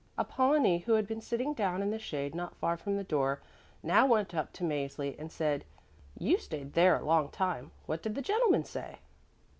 Apollonie, who had been sitting down in the shade not far from the door now went up to Mäzli and said, "You stayed there a long time. What did the gentleman say?"